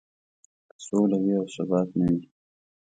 که سوله وي او ثبات نه وي.